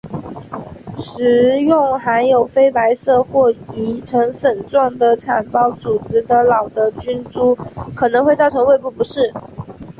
食用含有非白色或已成粉状的产孢组织的老的菌株可能会造成胃部不适。